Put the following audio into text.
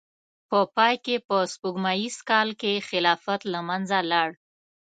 په پای کې په سپوږمیز کال کې خلافت له منځه لاړ.